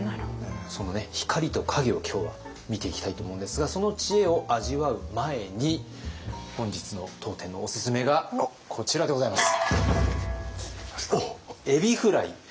その光と影を今日は見ていきたいと思うんですがその知恵を味わう前に本日の当店のおすすめがこちらでございます。